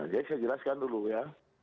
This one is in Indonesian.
jadi saya jelaskan dulu ya